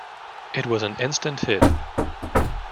It was an instant hit.